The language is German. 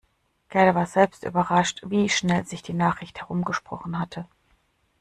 Gerda war selbst überrascht, wie schnell sich die Nachricht herumgesprochen hatte.